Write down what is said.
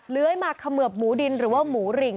เลื้อยมาเขมือบหมูดินหรือว่าหมูหริง